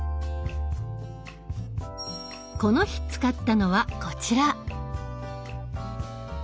この日使ったのはこちら！